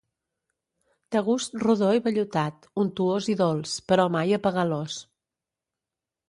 De gust rodó i vellutat, untuós i dolç però mai apegalós.